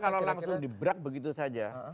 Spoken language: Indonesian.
kita kalau langsung di berat begitu saja